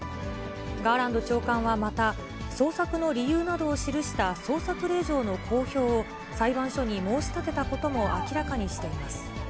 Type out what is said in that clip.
ガーランド長官はまた、捜索の理由などを記した捜索令状の公表を裁判所に申し立てたことも明らかにしています。